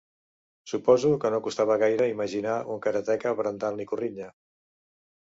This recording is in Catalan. Suposo que no costava gaire imaginar un karateka brandant l'ikurriña.